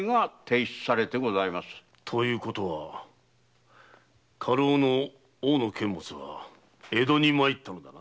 ということは家老・大野監物は江戸に参ったのだな？